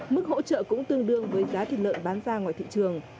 mức hỗ trợ cũng tương đương với giá thịt lợn bán ra ngoài thị trường